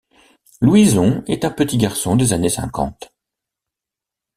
Louison est un petit garçon des années cinquante.